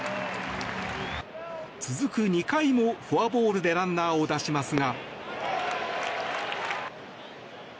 続く２回もフォアボールでランナーを出しますが。